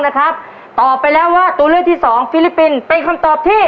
นะครับตอบไปแล้วว่าตัวเลือกที่สองฟิลิปปินส์เป็นคำตอบที่